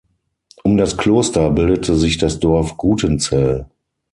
Um das Kloster bildete sich das Dorf Gutenzell.